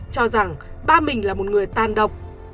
cho rằng ba mình là một người tan độc